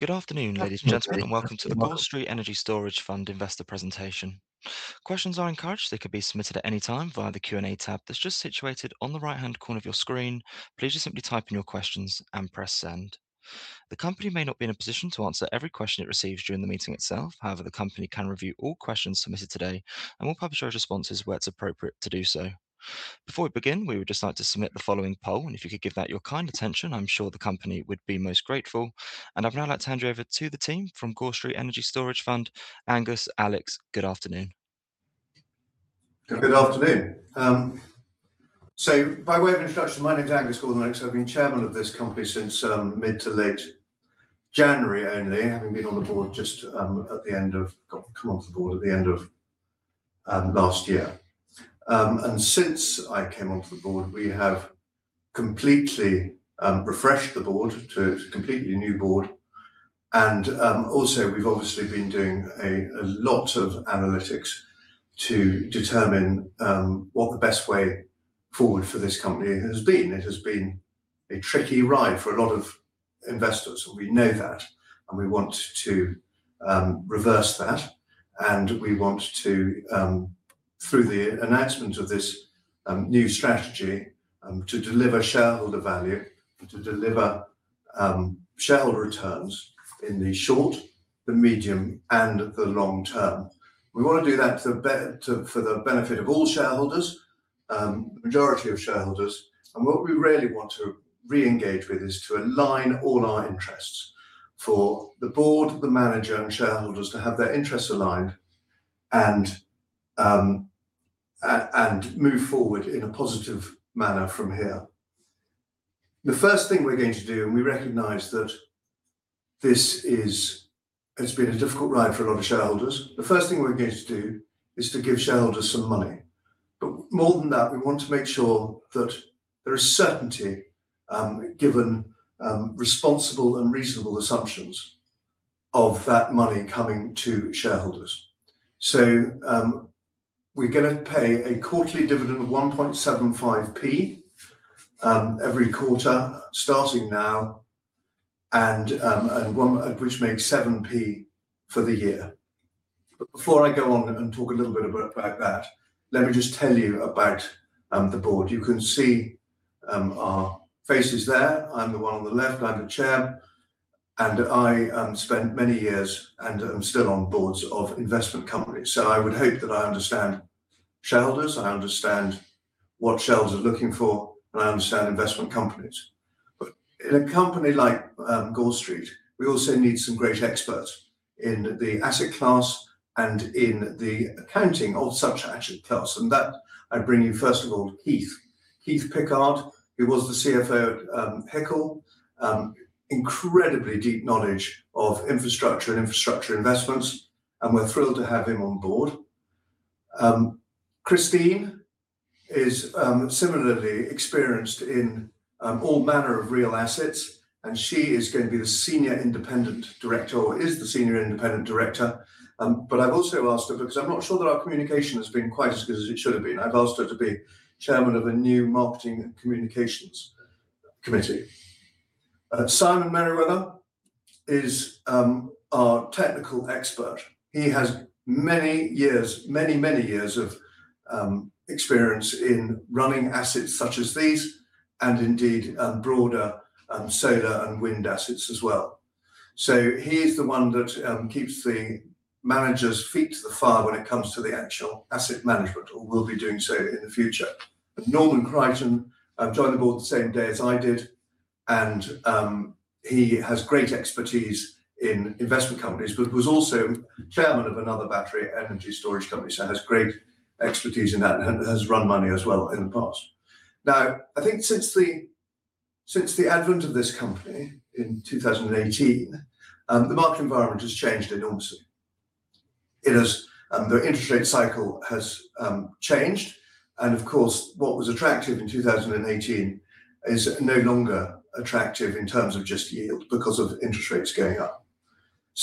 Good afternoon, ladies and gentlemen. Welcome to the Gore Street Energy Storage Fund Investor Presentation. Questions are encouraged. They could be submitted at any time via the Q&A tab that's just situated on the right-hand corner of your screen. Please just simply type in your questions and press Send. The company may not be in a position to answer every question it receives during the meeting itself. However, the company can review all questions submitted today, and we'll publish our responses where it's appropriate to do so. Before we begin, we would just like to submit the following poll, and if you could give that your kind attention, I'm sure the company would be most grateful. I'd now like to hand you over to the team from Gore Street Energy Storage Fund. Angus, Alex, good afternoon. Good afternoon. By way of introduction, my name's Angus Gordon Lennox. I've been chairman of this company since mid to late January only, having come onto the board at the end of last year. Since I came onto the board we have completely refreshed the board to a completely new board and also we've obviously been doing a lot of analytics to determine what the best way forward for this company has been. It has been a tricky ride for a lot of investors, and we know that and we want to reverse that and we want to through the announcement of this new strategy to deliver shareholder value, to deliver shareholder returns in the short, the medium, and the long term. We wanna do that for the benefit of all shareholders, the majority of shareholders. What we really want to re-engage with is to align all our interests. For the board, the manager, and shareholders to have their interests aligned and move forward in a positive manner from here. The first thing we're going to do, and we recognize that this is. It's been a difficult ride for a lot of shareholders. The first thing we're going to do is to give shareholders some money. More than that, we want to make sure that there is certainty given responsible and reasonable assumptions of that money coming to shareholders. We're gonna pay a quarterly dividend of 1.75p every quarter starting now, which makes 7p for the year. Before I go on and talk a little bit about that, let me just tell you about the board. You can see our faces there. I'm the one on the left. I'm the chair, and I spent many years, and am still on boards of investment companies. I would hope that I understand shareholders, I understand what shareholders are looking for, and I understand investment companies. In a company like Gore Street, we also need some great experts in the asset class and in the accounting of such asset class. That I bring you, first of all, Keith. Keith Pickard, who was the CFO at HICL. Incredibly deep knowledge of infrastructure and infrastructure investments, and we're thrilled to have him on board. Christine is similarly experienced in all manner of real assets, and she is going to be the senior independent director or is the senior independent director. I've also asked her, because I'm not sure that our communication has been quite as good as it should have been. I've asked her to be chairman of a new marketing and communications committee. Simon Merriweather is our technical expert. He has many years of experience in running assets such as these and indeed broader solar and wind assets as well. He is the one that keeps the managers' feet to the fire when it comes to the actual asset management or will be doing so in the future. Norman Crighton joined the board the same day as I did, and he has great expertise in investment companies, but was also chairman of another battery energy storage company. Has great expertise in that and has run money as well in the past. I think since the advent of this company in 2018, the market environment has changed enormously. It has, the interest rate cycle has changed and of course, what was attractive in 2018 is no longer attractive in terms of just yield because of interest rates going up.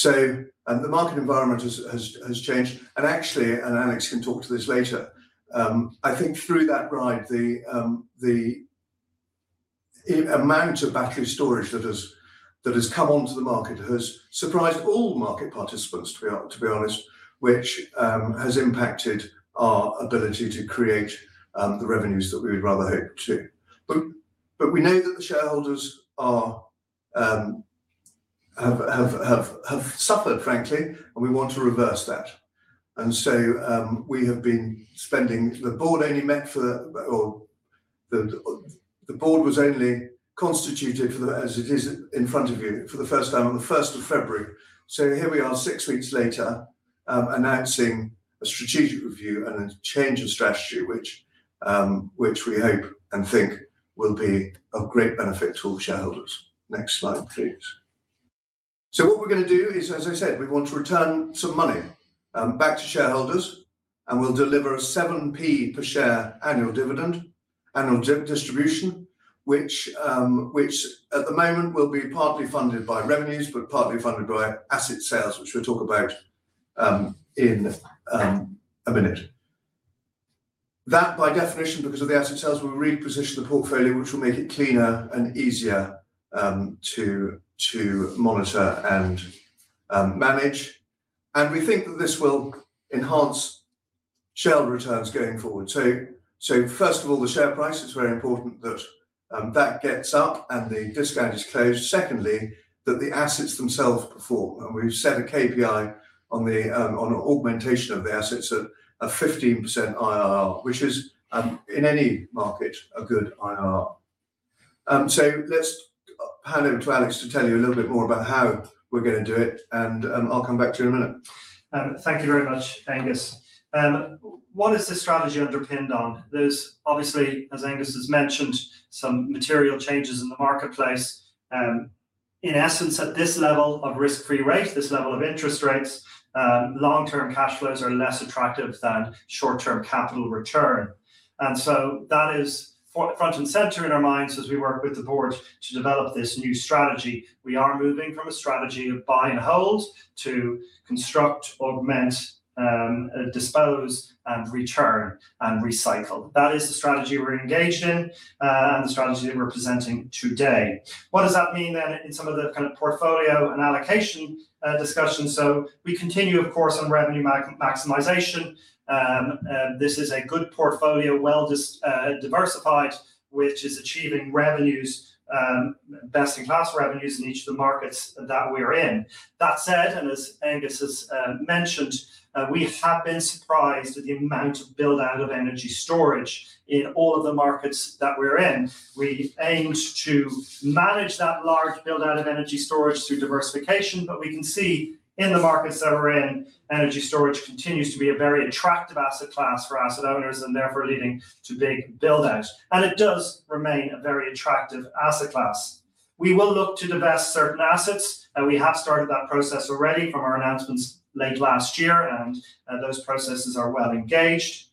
The market environment has changed and actually, and Alex can talk to this later, I think through that ride, the amount of battery storage that has come onto the market has surprised all market participants to be honest which has impacted our ability to create the revenues that we would rather hope to. But we know that the shareholders have suffered, frankly, and we want to reverse that. We have been spending. The board was only constituted as it is in front of you for the first time on the 1st of February. Here we are, six weeks later, announcing a strategic review and a change of strategy, which we hope and think will be of great benefit to all shareholders. Next slide, please. What we're gonna do is, as I said, we want to return some money back to shareholders, and we'll deliver a 0.07 per share annual dividend, annual distribution, which at the moment will be partly funded by revenues but partly funded by asset sales, which we'll talk about in a minute. That by definition, because of the asset sales, will reposition the portfolio, which will make it cleaner and easier to monitor and manage. We think that this will enhance share returns going forward too. First of all, the share price, it's very important that that gets up and the discount is closed. Secondly, that the assets themselves perform. We've set a KPI on augmentation of the assets at a 15% IRR, which is, in any market, a good IRR. Let's hand over to Alex to tell you a little bit more about how we're gonna do it, and I'll come back to you in a minute. Thank you very much, Angus. What is the strategy underpinned on? There's obviously, as Angus has mentioned, some material changes in the marketplace. In essence, at this level of risk-free rate, this level of interest rates, long-term cash flows are less attractive than short-term capital return. That is front and center in our minds as we work with the board to develop this new strategy. We are moving from a strategy of buy and hold to construct, augment, dispose, and return and recycle. That is the strategy we're engaged in, and the strategy that we're presenting today. What does that mean then in some of the kind of portfolio and allocation discussions? We continue, of course, on revenue maximization. This is a good portfolio, well diversified, which is achieving revenues, best-in-class revenues in each of the markets that we're in. That said, as Angus has mentioned, we have been surprised at the amount of build-out of energy storage in all of the markets that we're in. We aimed to manage that large build-out of energy storage through diversification, but we can see in the markets that we're in, energy storage continues to be a very attractive asset class for asset owners, and therefore leading to big build-out. It does remain a very attractive asset class. We will look to divest certain assets, and we have started that process already from our announcements late last year, and those processes are well engaged.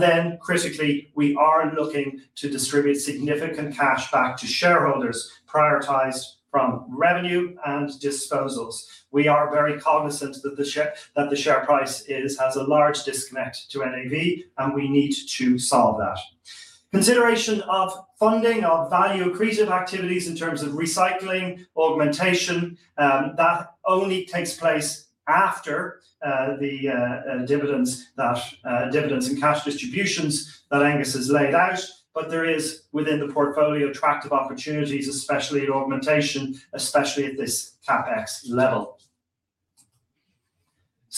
Then critically, we are looking to distribute significant cash back to shareholders, prioritized from revenue and disposals. We are very cognizant that the share price has a large disconnect to NAV, and we need to solve that. Consideration of funding of value-accretive activities in terms of recycling, augmentation, that only takes place after the dividends and cash distributions that Angus has laid out. There is within the portfolio attractive opportunities, especially at augmentation, especially at this CapEx level.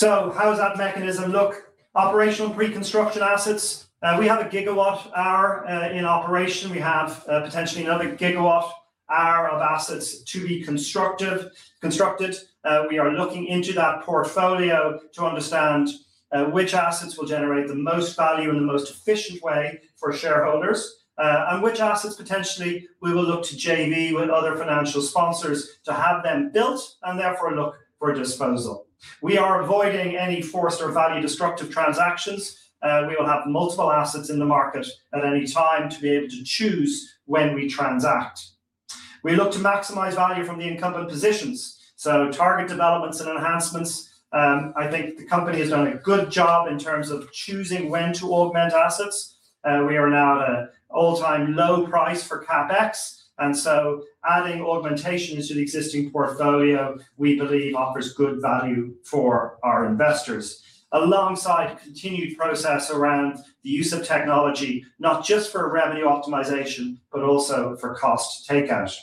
How does that mechanism look? Operational pre-construction assets. We have 1 GWh in operation. We have potentially another 1 GWh of assets to be constructed. We are looking into that portfolio to understand which assets will generate the most value in the most efficient way for shareholders, and which assets potentially we will look to JV with other financial sponsors to have them built and therefore look for disposal. We are avoiding any forced or value-destructive transactions. We will have multiple assets in the market at any time to be able to choose when we transact. We look to maximize value from the incumbent positions, so target developments and enhancements. I think the company has done a good job in terms of choosing when to augment assets. We are now at an all-time low price for CapEx, and so adding augmentations to the existing portfolio, we believe offers good value for our investors. Alongside continued process around the use of technology, not just for revenue optimization, but also for cost takeout.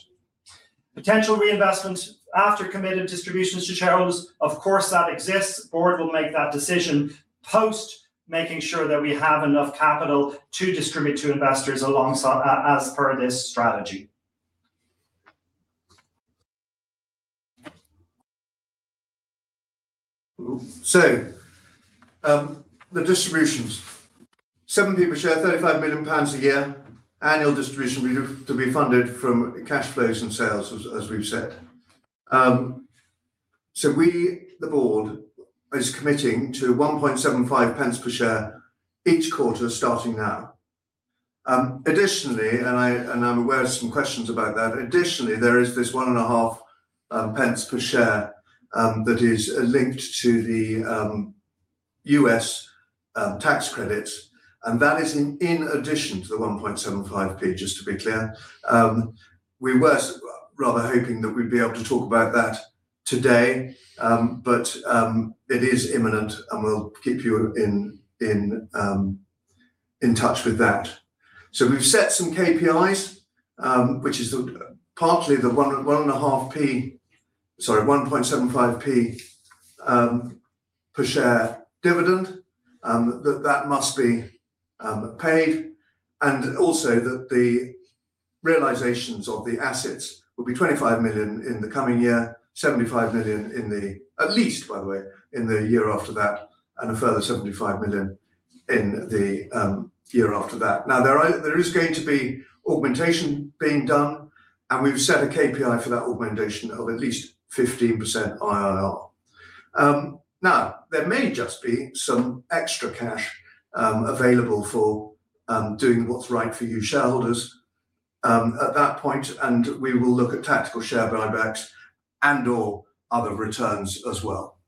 Potential reinvestment after committed distributions to shareholders, of course, that exists. Board will make that decision post making sure that we have enough capital to distribute to investors alongside, as per this strategy. The distributions. 7p per share, 35 million pounds a year annual distribution we hope to be funded from cash flows and sales as we've said. We, the board, is committing to 1.75 pence per share each quarter starting now. Additionally, I'm aware of some questions about that. Additionally, there is this 1.5 pence per share that is linked to the U.S. tax credits, and that is in addition to the 1.75p, just to be clear. We were rather hoping that we'd be able to talk about that today, but it is imminent, and we'll keep you in touch with that. We've set some KPIs, which is partly the 1.5p. Sorry, 1.75p per share dividend that must be paid, and also that the realizations of the assets will be 25 million in the coming year, 75 million in the year after that, at least, by the way, and a further 75 million in the year after that. There is going to be augmentation being done, and we've set a KPI for that augmentation of at least 15% IRR. There may just be some extra cash available for doing what's right for you shareholders at that point, and we will look at tactical share buybacks and or other returns as well.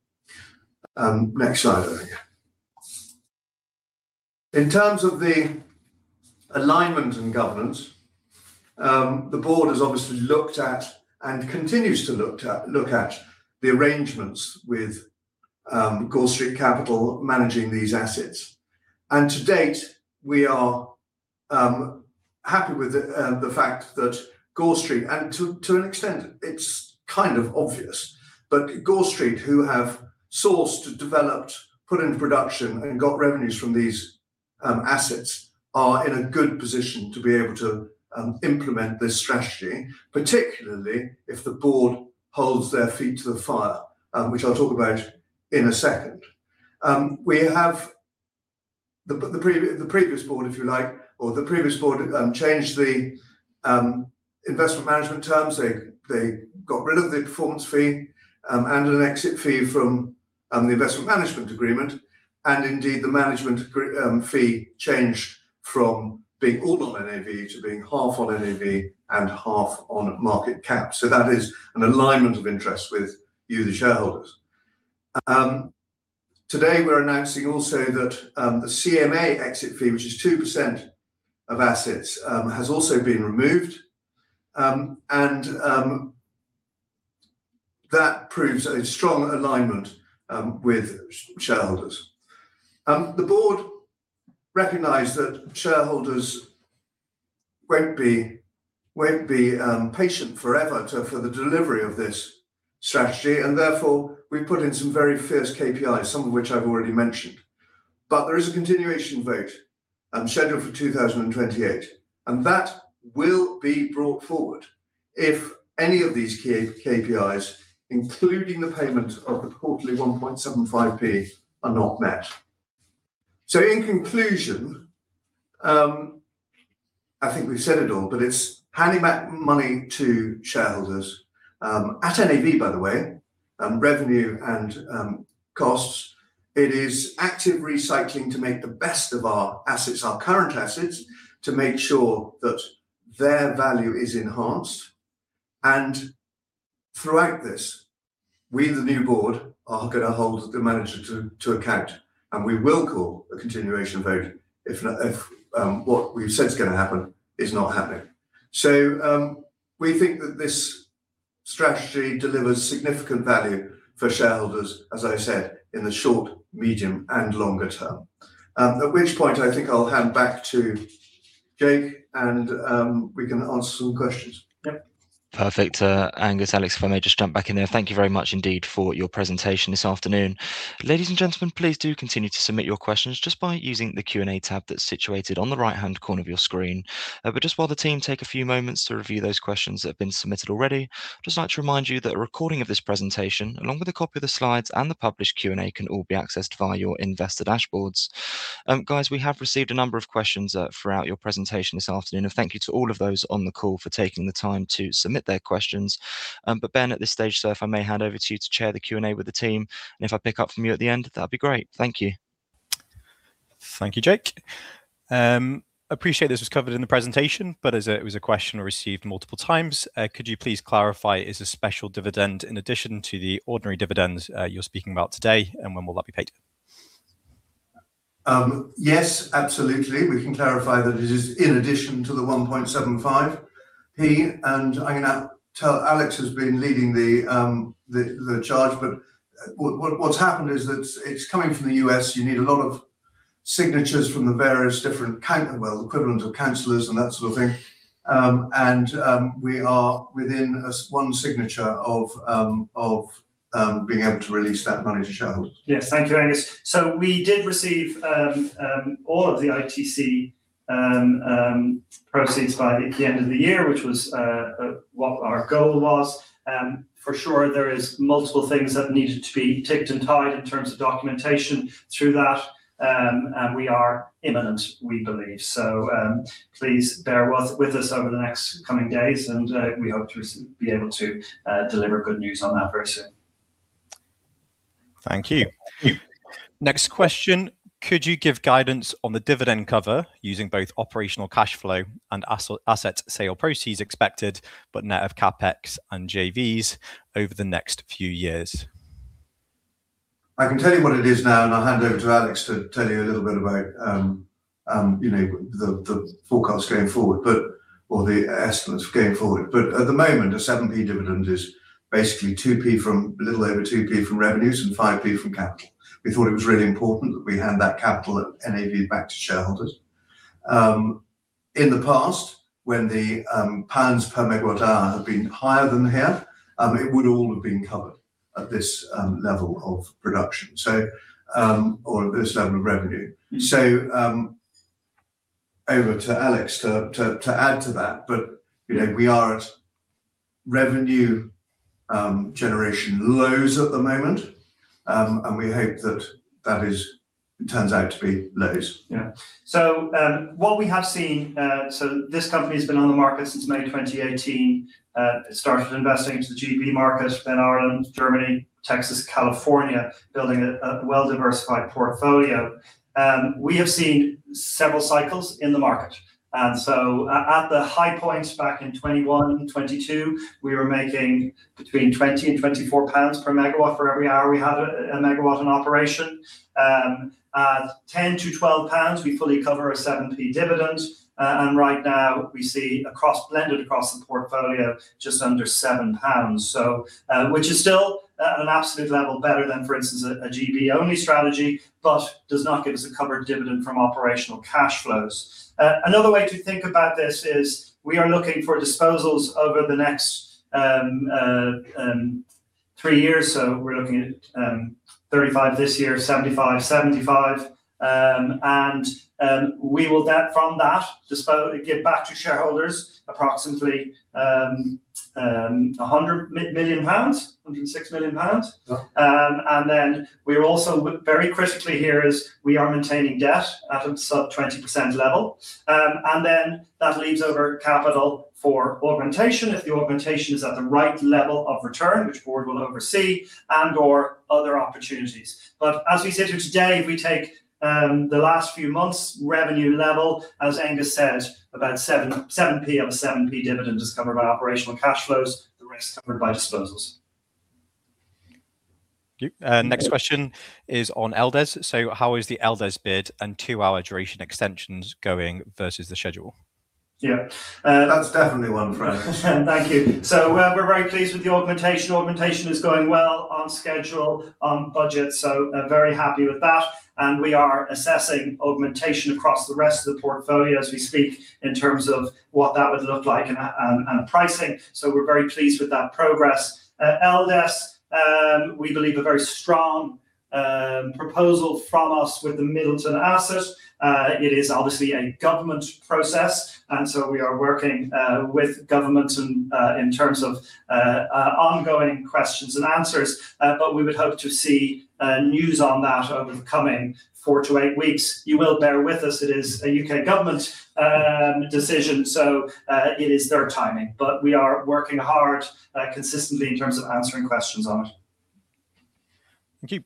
Next slide, Ernie. In terms of the alignment and governance, the board has obviously looked at and continues to look at the arrangements with Gore Street Capital managing these assets. To date, we are happy with the fact that Gore Street, to an extent it's kind of obvious. Gore Street, who have sourced, developed, put into production and got revenues from these assets are in a good position to be able to implement this strategy, particularly if the board holds their feet to the fire, which I'll talk about in a second. We have the previous board, if you like, changed the investment management terms. They got rid of the performance fee, and an exit fee from, the investment management agreement, and indeed, the management fee changed from being all on NAV to being half on NAV and half on market cap. That is an alignment of interest with you, the shareholders. Today we're announcing also that, the IMA exit fee, which is 2% of assets, has also been removed. That proves a strong alignment with shareholders. The board recognized that shareholders won't be patient forever for the delivery of this strategy, and therefore we put in some very fierce KPIs, some of which I've already mentioned. There is a continuation vote scheduled for 2028, and that will be brought forward if any of these KPIs, including the payment of the quarterly 1.75p are not met. In conclusion, I think we've said it all, but it's handing back money to shareholders at NAV, by the way, revenue and costs. It is active recycling to make the best of our assets, our current assets, to make sure that their value is enhanced. Throughout this, we, the new board, are gonna hold the manager to account, and we will call a continuation vote if what we've said is gonna happen is not happening. We think that this strategy delivers significant value for shareholders, as I said, in the short, medium and longer term. At which point I think I'll hand back to Jake and we can answer some questions. Yep. Perfect. Angus, Alex, if I may just jump back in there. Thank you very much indeed for your presentation this afternoon. Ladies and gentlemen, please do continue to submit your questions just by using the Q&A tab that's situated on the right-hand corner of your screen. Just while the team take a few moments to review those questions that have been submitted already, just like to remind you that a recording of this presentation, along with a copy of the slides and the published Q&A can all be accessed via your investor dashboards. Guys, we have received a number of questions, throughout your presentation this afternoon. Thank you to all of those on the call for taking the time to submit their questions. Ben, at this stage, sir, if I may hand over to you to chair the Q&A with the team, and if I pick up from you at the end, that'd be great. Thank you. Thank you, Jake. Appreciate this was covered in the presentation, but as it was a question we received multiple times, could you please clarify, is a special dividend in addition to the ordinary dividends, you're speaking about today, and when will that be paid? Yes, absolutely. We can clarify that it is in addition to the 1.75p. I'm gonna tell Alex has been leading the charge. But what's happened is that it's coming from the U.S., you need a lot of signatures from the various different well, equivalent of councilors and that sort of thing. We are within one signature of being able to release that money to shareholders. Yes. Thank you, Angus. We did receive all of the ITC proceeds by the end of the year, which was what our goal was. For sure there is multiple things that needed to be ticked and tied in terms of documentation through that. We are imminent, we believe. Please bear with us over the next coming days and we hope to be able to deliver good news on that very soon. Thank you. Next question. Could you give guidance on the dividend cover using both operational cash flow and asset sale proceeds expected, but net of CapEx and JVs over the next few years? I can tell you what it is now, and I'll hand over to Alex to tell you a little bit about, you know, the forecast going forward, or the estimates going forward. At the moment, a 7p dividend is basically 2p from a little over 2p from revenues and 5p from capital. We thought it was really important that we hand that capital at NAV back to shareholders. In the past, when the pounds per MWh have been higher than they have, it would all have been covered at this level of production or at this level of revenue. Over to Alex to add to that. You know, we are at revenue generation lows at the moment. We hope that turns out to be low. Yeah. What we have seen, so this company has been on the market since May 2018. It started investing into the GB market, then Ireland, Germany, Texas, California, building a well-diversified portfolio. We have seen several cycles in the market. At the high points back in 2021 and 2022, we were making between 20 and 24 pounds per MW for every hour we had a MW in operation. At 10-12 pounds, we fully cover a 7p dividend. Right now we see a cross-blended across the portfolio just under 7 pounds. Which is still at an absolute level better than, for instance, a GB only strategy, but does not give us a covered dividend from operational cash flows. Another way to think about this is we are looking for disposals over the next 3 years. We're looking at 35 this year, 75. We will then from that give back to shareholders approximately 100 million pounds, 106 million pounds. Yeah. We're also very critically here we are maintaining debt at a sub-20% level. That leaves capital over for augmentation. If the augmentation is at the right level of return, which board will oversee, and/or other opportunities. As we sit here today, if we take the last few months revenue level, as Angus said, about 7p of a 7p dividend is covered by operational cash flows, the rest is covered by disposals. Thank you. Next question is on LDES. How is the LDES bid and two-hour duration extensions going versus the schedule? Yeah, uh- That's definitely one for you. Thank you. We're very pleased with the augmentation. Augmentation is going well on schedule, on budget, very happy with that. We are assessing augmentation across the rest of the portfolio as we speak, in terms of what that would look like and pricing. We're very pleased with that progress. LDES, we believe a very strong proposal from us with the Middleton asset. It is obviously a government process, we are working with government in terms of ongoing questions and answers. We would hope to see news on that over the coming four to eight weeks. You will bear with us. It is a U.K. government decision, it is their timing. We are working hard, consistently in terms of answering questions on it. Thank you.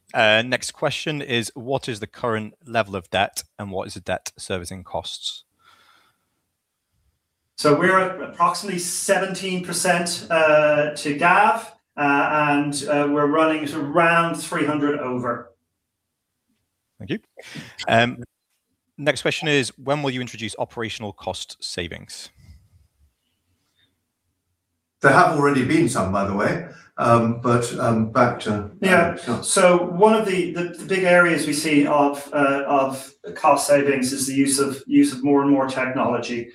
Next question is what is the current level of debt, and what is the debt servicing costs? We're at approximately 17% to GAV, and we're running at around 300 over. Thank you. Next question is, when will you introduce operational cost savings? There have already been some, by the way. Yeah. One of the big areas we see of cost savings is the use of more and more technology.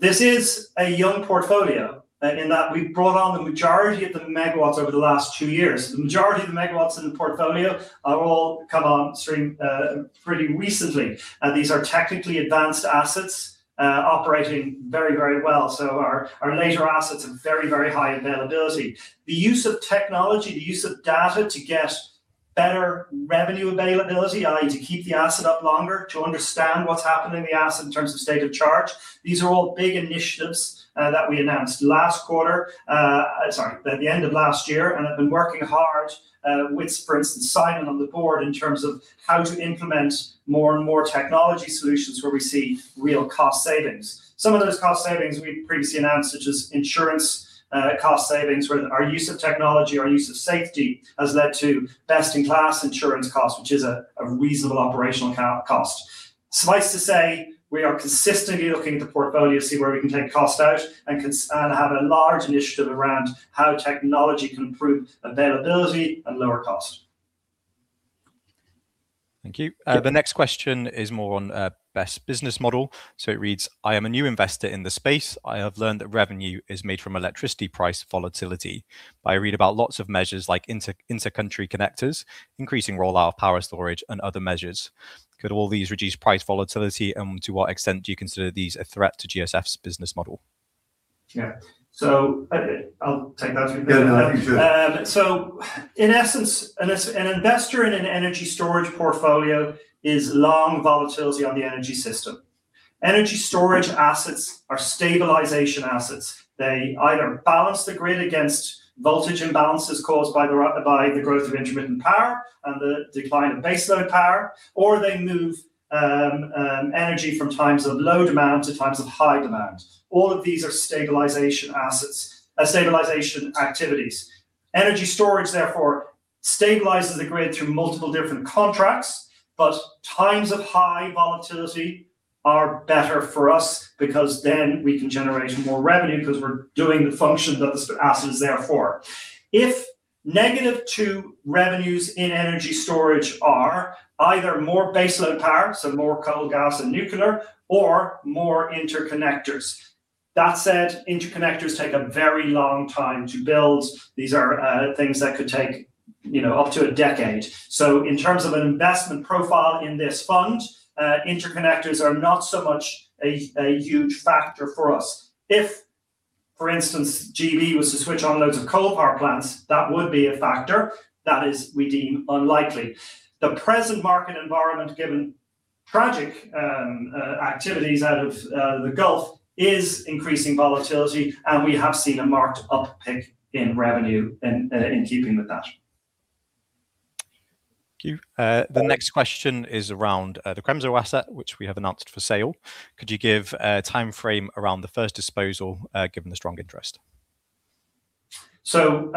This is a young portfolio and that we've brought on the majority of the MWs over the last two years. The majority of the MWs in the portfolio are all come on stream pretty recently. These are technically advanced assets operating very, very well. Our later assets have very, very high availability. The use of technology, the use of data to get better revenue availability, i.e., to keep the asset up longer, to understand what's happening in the asset in terms of state of charge. These are all big initiatives that we announced last quarter, sorry, at the end of last year. Have been working hard, with, for instance, Simon on the board in terms of how to implement more and more technology solutions where we see real cost savings. Some of those cost savings we've previously announced, such as insurance, cost savings, where our use of technology, our use of safety, has led to best in class insurance costs, which is a reasonable operational cost. Suffice to say, we are consistently looking at the portfolio to see where we can take cost out and have a large initiative around how technology can improve availability and lower cost. Thank you. Yeah. The next question is more on best business model. It reads, I am a new investor in this space. I have learned that revenue is made from electricity price volatility. I read about lots of measures like intercountry connectors, increasing rollout of power storage, and other measures. Could all these reduce price volatility, and to what extent do you consider these a threat to GSF's business model? Yeah. I'll take that one. Yeah, no, I think you should. In essence, an investor in an energy storage portfolio is long volatility on the energy system. Energy storage assets are stabilization assets. They either balance the grid against voltage imbalances caused by the growth of intermittent power and the decline of baseload power, or they move energy from times of low demand to times of high demand. All of these are stabilization assets, stabilization activities. Energy storage therefore stabilizes the grid through multiple different contracts, but times of high volatility are better for us because then we can generate more revenue because we're doing the function that the asset is there for. If negative, the revenues in energy storage are either more baseload power, so more coal, gas and nuclear, or more interconnectors. That said, interconnectors take a very long time to build. These are things that could take, you know, up to a decade. In terms of an investment profile in this fund, interconnectors are not so much a huge factor for us. For instance, GB was to switch on loads of coal power plants, that would be a factor that is we deem unlikely. The present market environment, given tragic activities out of the Gulf is increasing volatility, and we have seen a marked uptick in revenue and in keeping with that. Thank you. The next question is around the Cremzow asset, which we have announced for sale. Could you give a timeframe around the first disposal, given the strong interest? Board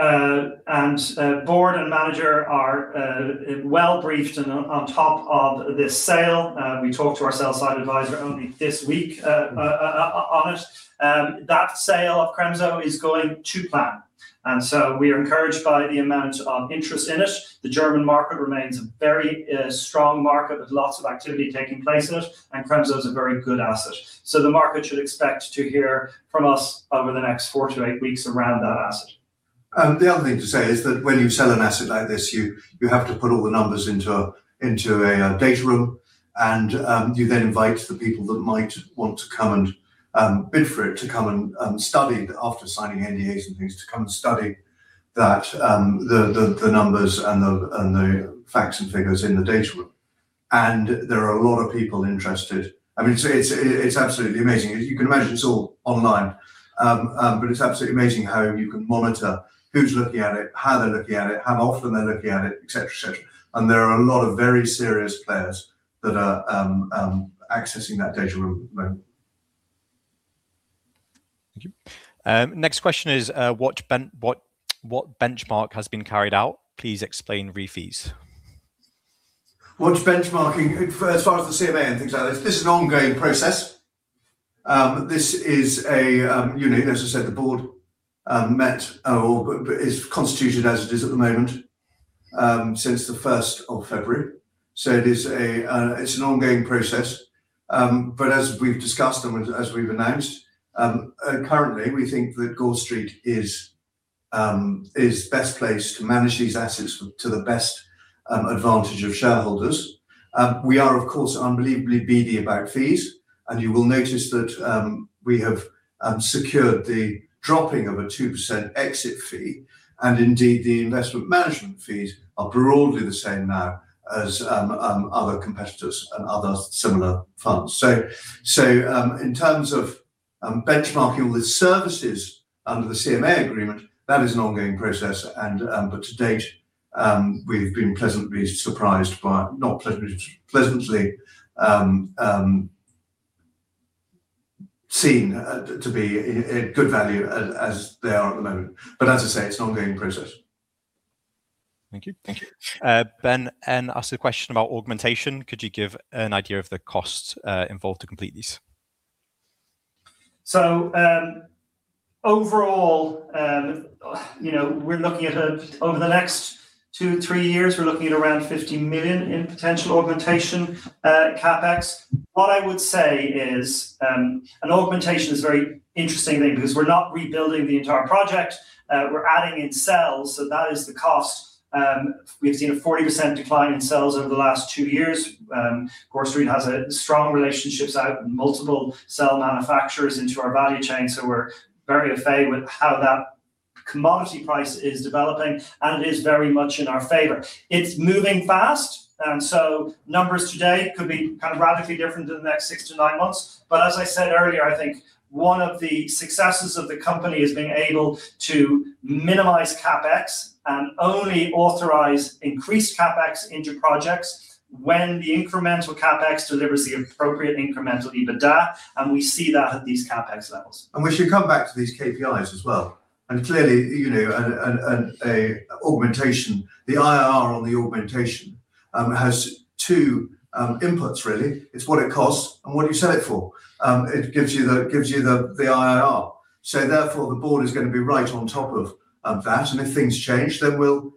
and manager are well briefed and on top of this sale. We talked to our sell-side advisor only this week on it. That sale of Cremzow is going to plan, and so we are encouraged by the amount of interest in it. The German market remains a very strong market with lots of activity taking place in it, and Cremzow is a very good asset. The market should expect to hear from us over the next 4-8 weeks around that asset. The other thing to say is that when you sell an asset like this, you have to put all the numbers into a data room and you then invite the people that might want to come and bid for it to come and study after signing NDAs and things to come and study the numbers and the facts and figures in the data room. There are a lot of people interested. I mean, it's absolutely amazing. You can imagine it's all online. But it's absolutely amazing how you can monitor who's looking at it, how they're looking at it, how often they're looking at it, et cetera, et cetera. There are a lot of very serious players that are accessing that data room at the moment. Thank you. Next question is, what benchmark has been carried out? Please explain re-fees. What benchmarking as far as the IMA and things like this is an ongoing process. You know, as I said, the board met or is constituted as it is at the moment, since the first of February. It is an ongoing process. As we've discussed and as we've announced, currently, we think that Gore Street is best placed to manage these assets to the best advantage of shareholders. We are of course unbelievably vigilant about fees, and you will notice that we have secured the dropping of a 2% exit fee, and indeed the investment management fees are broadly the same now as other competitors and other similar funds. In terms of benchmarking the services under the IMA agreement, that is an ongoing process, but to date, we've seen to be a good value as they are at the moment. As I say, it's an ongoing process. Thank you. Thank you. Ben N asked a question about augmentation. Could you give an idea of the costs involved to complete these? Overall, you know, we're looking at a... Over the next 2, 3 years, we're looking at around 50 million in potential augmentation CapEx. What I would say is, an augmentation is a very interesting thing because we're not rebuilding the entire project. We're adding in cells, so that is the cost. We've seen a 40% decline in cells over the last two years. Gore Street has strong relationships with multiple cell manufacturers in our value chain, so we're very au fait with how that commodity price is developing, and it is very much in our favor. It's moving fast, and so numbers today could be kind of radically different in the next 6-9 months. as I said earlier, I think one of the successes of the company is being able to minimize CapEx and only authorize increased CapEx into projects when the incremental CapEx delivers the appropriate incremental EBITDA, and we see that at these CapEx levels. We should come back to these KPIs as well. Clearly, you know, an augmentation, the IRR on the augmentation has two inputs really. It's what it costs and what you sell it for. It gives you the IRR. Therefore, the board is gonna be right on top of that, and if things change, then we'll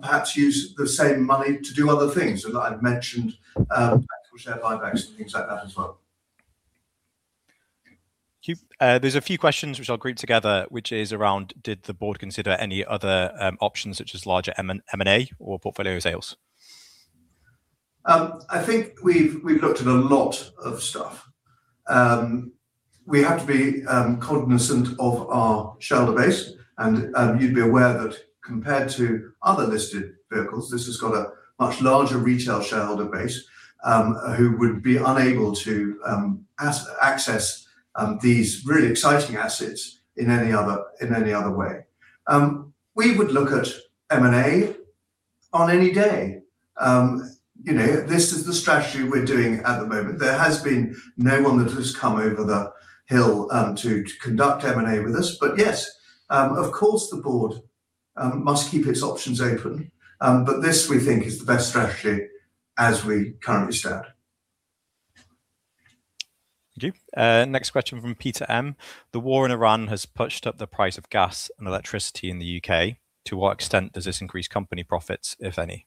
perhaps use the same money to do other things that I've mentioned, actual share buybacks and things like that as well. Thank you. There's a few questions which I'll group together, which is around did the board consider any other options such as larger M&A or portfolio sales? I think we've looked at a lot of stuff. We have to be cognizant of our shareholder base and you'd be aware that compared to other listed vehicles, this has got a much larger retail shareholder base, who would be unable to access these really exciting assets in any other way. We would look at M&A on any day. You know, this is the strategy we're doing at the moment. There has been no one that has come over the hill to conduct M&A with us. Yes, of course, the board must keep its options open. This, we think, is the best strategy as we currently stand. Thank you. Next question from Peter M. The war in Ukraine has pushed up the price of gas and electricity in the U.K. To what extent does this increase company profits, if any?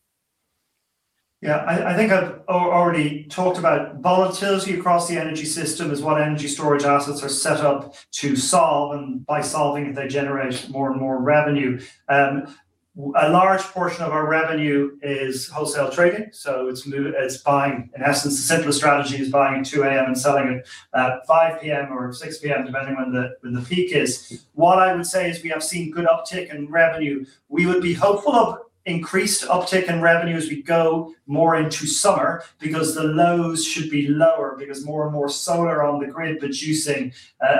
Yeah. I think I've already talked about volatility across the energy system is what energy storage assets are set up to solve, and by solving it, they generate more and more revenue. A large portion of our revenue is wholesale trading, so it's buying. In essence, the simplest strategy is buying at 2:00 A.M. and selling at 5:00 P.M. or 6:00 P.M., depending when the peak is. What I would say is we have seen good uptick in revenue. We would be hopeful of increased uptick in revenue as we go more into summer, because the lows should be lower because more and more solar on the grid producing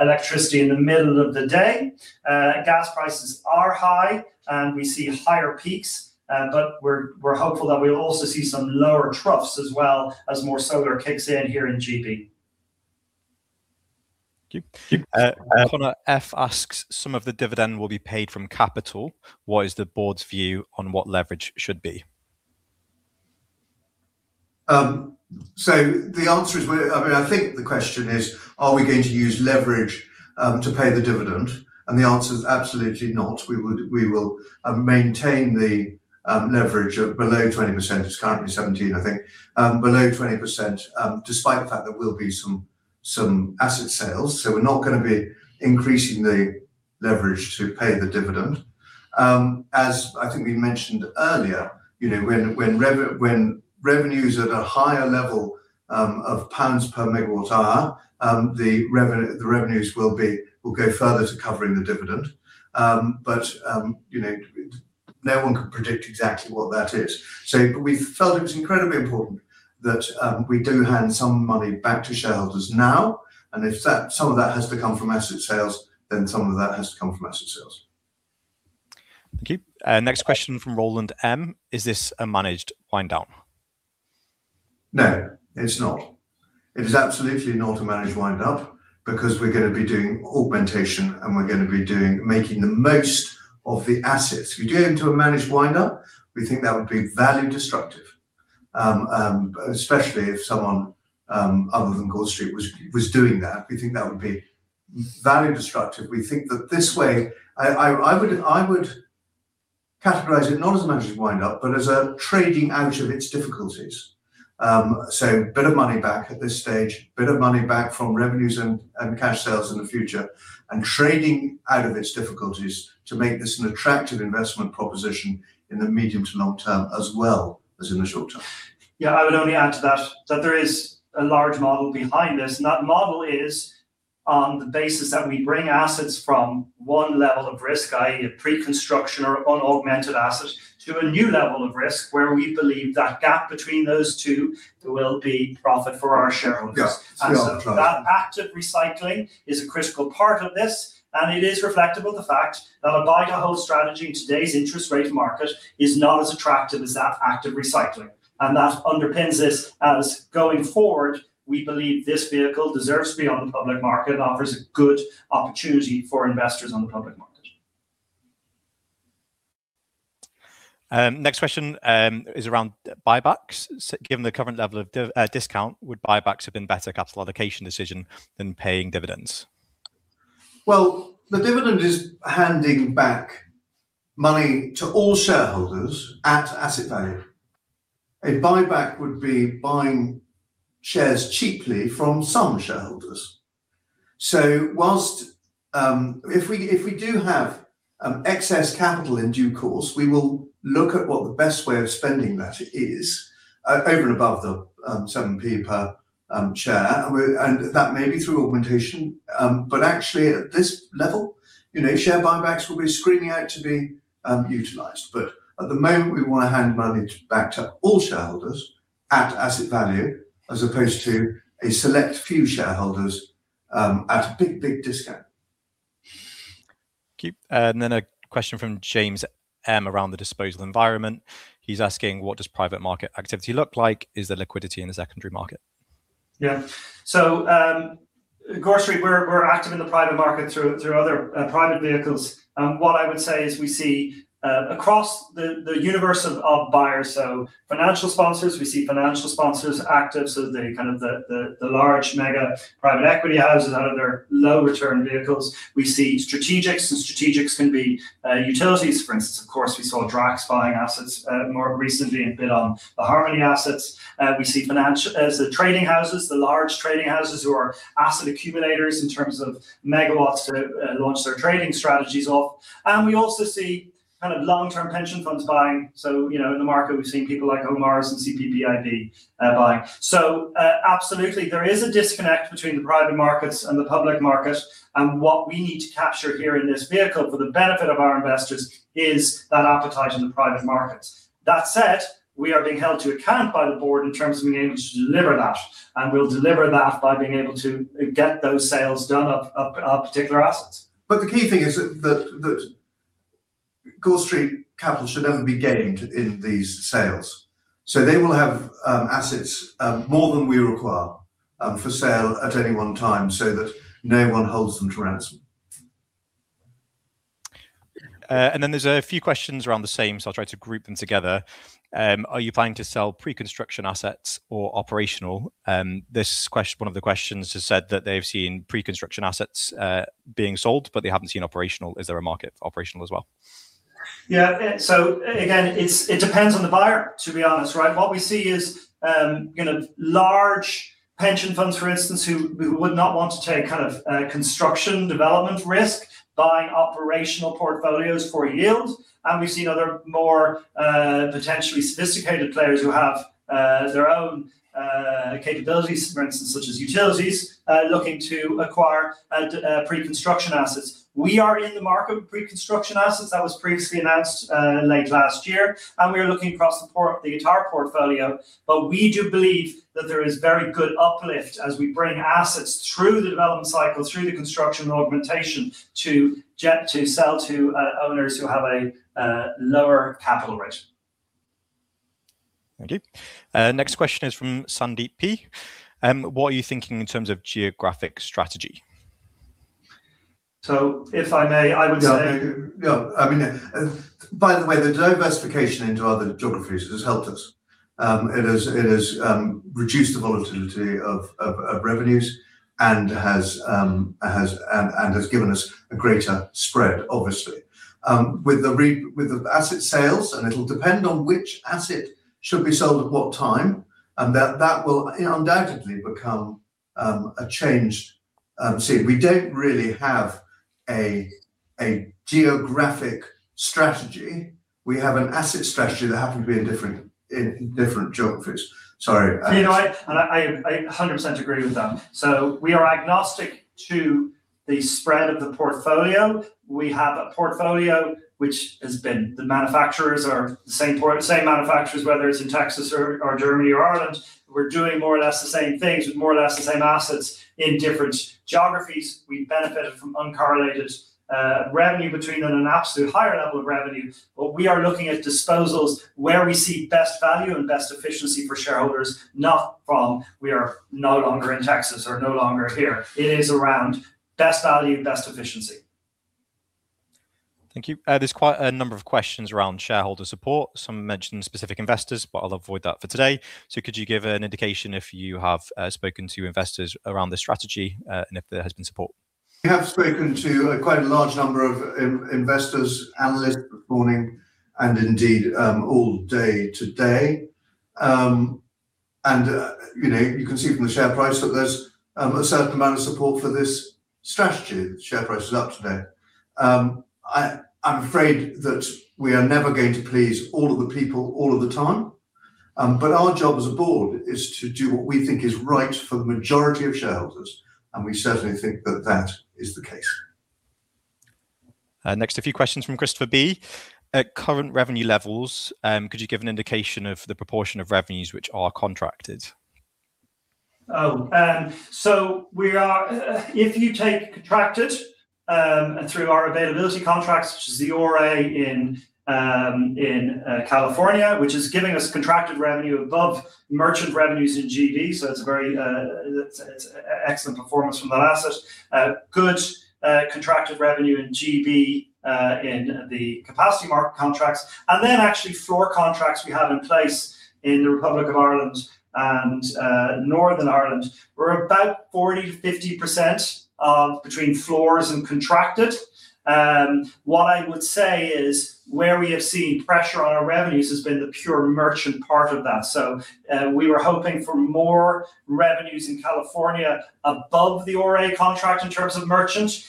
electricity in the middle of the day. Gas prices are high, and we see higher peaks, but we're hopeful that we'll also see some lower troughs as well as more solar kicks in here in GB. Thank you. Connor F asks, "Some of the dividend will be paid from capital. What is the board's view on what leverage should be? The answer is, I mean, I think the question is, are we going to use leverage to pay the dividend? The answer is absolutely not. We will maintain the leverage below 20%. It's currently 17, I think. Below 20%, despite the fact there will be some asset sales. We're not gonna be increasing the leverage to pay the dividend. As I think we mentioned earlier, you know, when revenue's at a higher level of pounds per MWh, the revenues will go further to covering the dividend. But you know, no one can predict exactly what that is. We felt it was incredibly important that we do hand some money back to shareholders now, and if some of that has to come from asset sales. Thank you. Next question from Roland M. "Is this a managed wind down? No, it's not. It is absolutely not a managed wind down because we're gonna be doing augmentation, and we're gonna be doing, making the most of the assets. If we go into a managed wind up, we think that would be value destructive, especially if someone other than Gore Street was doing that. We think that would be value destructive. We think that this way I would categorize it not as a managed wind up but as a trading out of its difficulties. Bit of money back at this stage, bit of money back from revenues and cash sales in the future, and trading out of its difficulties to make this an attractive investment proposition in the medium to long term as well as in the short term. Yeah, I would only add to that there is a large model behind this, and that model is on the basis that we bring assets from one level of risk, i.e. a pre-construction or unaugmented asset, to a new level of risk where we believe that gap between those two there will be profit for our shareholders. Yeah. Yeah. that active recycling is a critical part of this, and it is reflective of the fact that a buy to hold strategy in today's interest rate market is not as attractive as that active recycling. that underpins this as, going forward, we believe this vehicle deserves to be on the public market and offers a good opportunity for investors on the public market. Next question is around buybacks. Given the current level of discount, would buybacks have been better capital allocation decision than paying dividends? Well, the dividend is handing back money to all shareholders at asset value. A buyback would be buying shares cheaply from some shareholders. While if we do have excess capital in due course, we will look at what the best way of spending that is over and above the 7p per share. And that may be through augmentation. But actually at this level, you know, share buybacks will be screaming out to be utilized. At the moment, we wanna hand money back to all shareholders at asset value as opposed to a select few shareholders at a big discount. Thank you. A question from James M around the disposal environment. He's asking: What does private market activity look like? Is there liquidity in the secondary market? Yeah. Gore Street, we're active in the private market through other private vehicles. What I would say is we see across the universe of buyers, so financial sponsors. We see financial sponsors active, so the kind of large mega private equity houses out of their low return vehicles. We see strategics, and strategics can be utilities for instance. Of course, we saw Drax buying assets more recently and bid on the Harmony assets. We see the trading houses, the large trading houses who are asset accumulators in terms of MWs to launch their trading strategies off. We also see kind of long-term pension funds buying. You know, in the market we've seen people like OMERS and CPPIB buying. Absolutely, there is a disconnect between the private markets and the public market. What we need to capture here in this vehicle for the benefit of our investors is that appetite in the private markets. That said, we are being held to account by the board in terms of being able to deliver that, and we'll deliver that by being able to get those sales done of our particular assets. The key thing is that Gore Street Capital should never be gating, too, in these sales. They will have assets more than we require for sale at any one time so that no one holds them to ransom. There's a few questions around the same, so I'll try to group them together. Are you planning to sell pre-construction assets or operational? One of the questions just said that they've seen pre-construction assets being sold, but they haven't seen operational. Is there a market for operational as well? Yeah. Again, it's, it depends on the buyer, to be honest, right? What we see is, you know, large pension funds, for instance, who would not want to take kind of construction development risk, buying operational portfolios for yield. We've seen other more potentially sophisticated players who have their own capabilities, for instance, such as utilities, looking to acquire pre-construction assets. We are in the market with pre-construction assets. That was previously announced late last year. We are looking across the entire portfolio. We do believe that there is very good uplift as we bring assets through the development cycle, through the construction augmentation to sell to owners who have a lower capital ratio. Thank you. Next question is from Sandeep P. What are you thinking in terms of geographic strategy? If I may, I would say. Yeah. No, I mean, by the way, the diversification into other geographies has helped us. It has reduced the volatility of revenues and has given us a greater spread, obviously. With the asset sales. It'll depend on which asset should be sold at what time, and that will undoubtedly become a changed scene. We don't really have a geographic strategy. We have an asset strategy that happened to be in different geographies. Sorry, Alex. You know, I a hundred percent agree with that. We are agnostic to the spread of the portfolio. We have a portfolio which has been the same manufacturers, whether it's in Texas or Germany or Ireland. We're doing more or less the same things with more or less the same assets in different geographies. We benefited from uncorrelated revenue between on an absolute higher level of revenue. We are looking at disposals where we see best value and best efficiency for shareholders, not from we are no longer in Texas or no longer here. It is around best value, best efficiency. Thank you. There's quite a number of questions around shareholder support. Some mention specific investors, but I'll avoid that for today. Could you give an indication if you have spoken to investors around the strategy, and if there has been support? We have spoken to a quite large number of investors, analysts this morning and indeed, all day today. You know, you can see from the share price that there's a certain amount of support for this strategy. The share price is up today. I'm afraid that we are never going to please all of the people all of the time. Our job as a board is to do what we think is right for the majority of shareholders, and we certainly think that is the case. Next a few questions from Christopher B. At current revenue levels, could you give an indication of the proportion of revenues which are contracted? If you take contracted through our availability contracts, which is the RA in California, which is giving us contracted revenue above merchant revenues in GB. It's a very excellent performance from that asset. Good contracted revenue in GB in the capacity market contracts, and then actually floor contracts we have in place in the Republic of Ireland and Northern Ireland. We're about 40%-50% between floors and contracted. What I would say is where we have seen pressure on our revenues has been the pure merchant part of that. We were hoping for more revenues in California above the RA contract in terms of merchant.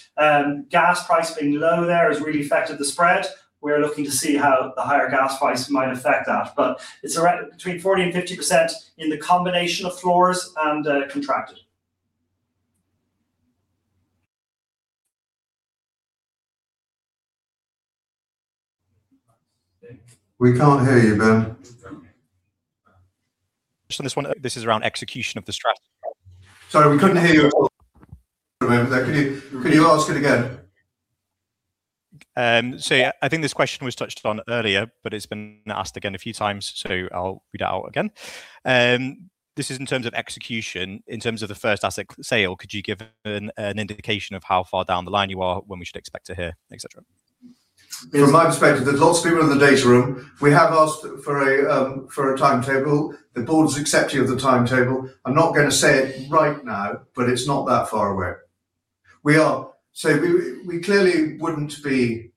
Gas price being low there has really affected the spread. We're looking to see how the higher gas price might affect that. It's around between 40 and 50% in the combination of floors and contracted. We can't hear you, Ben. This one, this is around execution of the strategy. Sorry, we couldn't hear you at all there. Could you ask it again? I think this question was touched on earlier, but it's been asked again a few times, so I'll read it out again. This is in terms of execution. In terms of the first asset sale, could you give an indication of how far down the line you are, when we should expect to hear, et cetera? From my perspective, there's lots of people in the data room. We have asked for a timetable. The board is accepting of the timetable. I'm not gonna say it right now, but it's not that far away. We clearly wouldn't be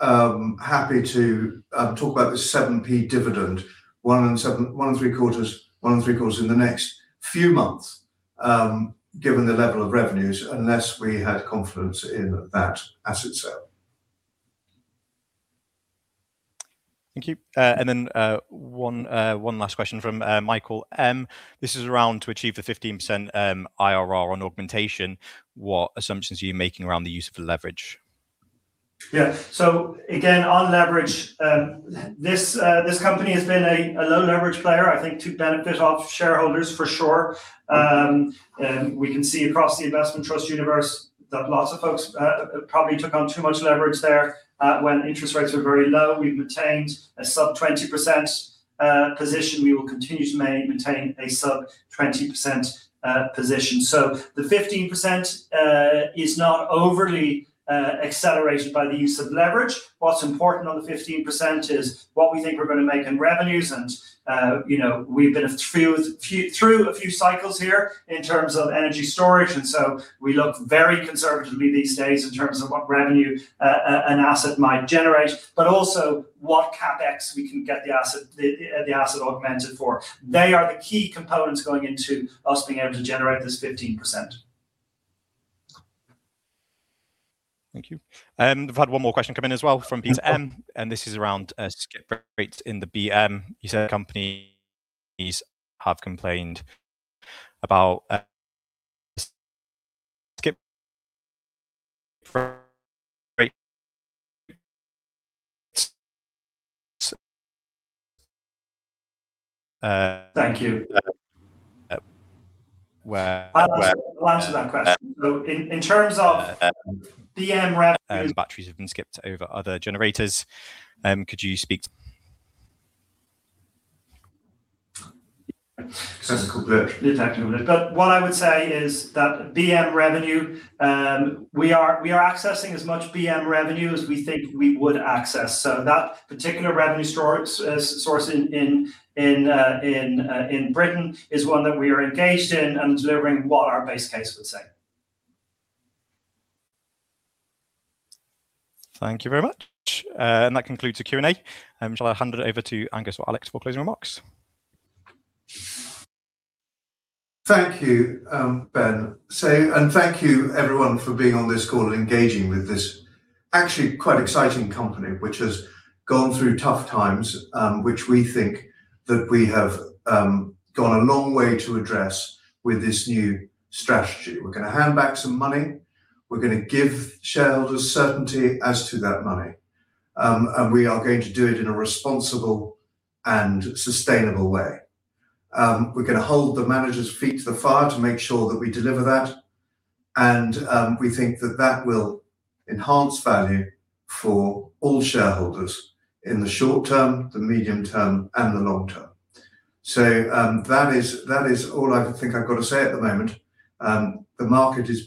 happy to talk about the 7p dividend, 1 in 7, 1 in 3 quarters, 1 in 3 quarters in the next few months, given the level of revenues, unless we had confidence in that asset sale. Thank you. One last question from Michael M. This is around to achieve the 15% IRR on augmentation, what assumptions are you making around the use of leverage? Yeah. Again, on leverage, this company has been a low leverage player. I think to benefit off shareholders for sure. We can see across the investment trust universe that lots of folks probably took on too much leverage there when interest rates were very low. We've maintained a sub-20% position. We will continue to maintain a sub-20% position. The 15% is not overly accelerated by the use of leverage. What's important on the 15% is what we think we're gonna make in revenues. You know, we've been through a few cycles here in terms of energy storage, and so we look very conservatively these days in terms of what revenue an asset might generate. Also, what CapEx we can get the asset augmented for. They are the key components going into us being able to generate this 15%. Thank you. We've had one more question come in as well from PSM, and this is around skip rates in the BM. You said companies have complained about skip rates. Thank you. Where- I'll answer that question. In terms of BM revenue. Batteries have been skipped over other generators. Could you speak to? That's a good question. What I would say is that BM revenue, we are accessing as much BM revenue as we think we would access. That particular revenue source in Britain is one that we are engaged in and delivering what our base case would say. Thank you very much. That concludes the Q&A. Shall I hand it over to Angus or Alex for closing remarks? Thank you, Ben. Thank you everyone for being on this call and engaging with this actually quite exciting company, which has gone through tough times, which we think that we have gone a long way to address with this new strategy. We're gonna hand back some money. We're gonna give shareholders certainty as to that money. We are going to do it in a responsible and sustainable way. We're gonna hold the managers' feet to the fire to make sure that we deliver that, and we think that that will enhance value for all shareholders in the short term, the medium term, and the long term. That is all I think I've got to say at the moment. The market has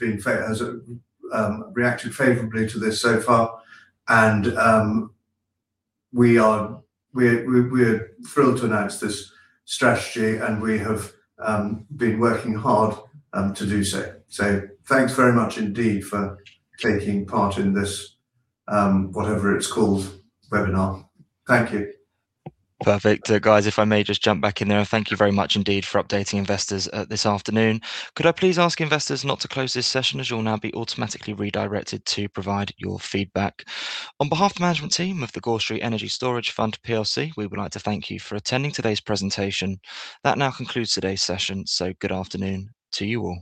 reacted favorably to this so far, and we're thrilled to announce this strategy, and we have been working hard to do so. Thanks very much indeed for taking part in this whatever it's called, webinar. Thank you. Perfect. Guys, if I may just jump back in there, thank you very much indeed for updating investors this afternoon. Could I please ask investors not to close this session, as you'll now be automatically redirected to provide your feedback. On behalf of the management team of the Gore Street Energy Storage Fund plc, we would like to thank you for attending today's presentation. That now concludes today's session, so good afternoon to you all.